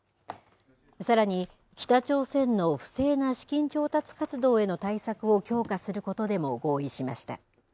さらに北朝鮮の不正な資金調達活動への対策を強化することでも合意しました。